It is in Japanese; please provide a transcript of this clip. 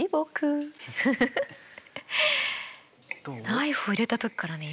ナイフ入れた時からね